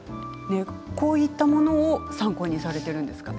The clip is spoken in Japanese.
こういったものを参考にされているんですか？